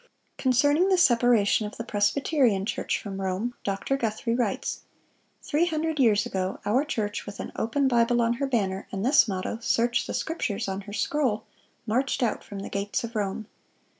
(632) Concerning the separation of the Presbyterian Church from Rome, Dr. Guthrie writes: "Three hundred years ago, our church, with an open Bible on her banner, and this motto, 'Search the Scriptures,' on her scroll, marched out from the gates of Rome."